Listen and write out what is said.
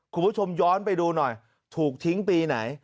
คุณผู้ชมย้อนไปดูหน่อยถูกทิ้งปีไหน